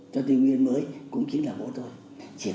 cho tình nguyên mới cũng chính là bố tôi